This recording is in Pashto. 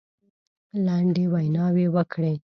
لنډې ویناوي وکړې.